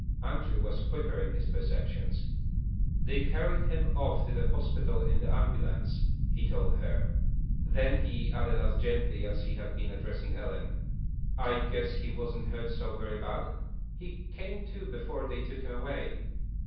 Andrew was quicker in his perceptions. "They carried him off to the hospital in the ambulance," he told her. Then he added, as gently as if he had been addressing Ellen: "I guess he wasn't hurt so very bad. He came to before they took him away."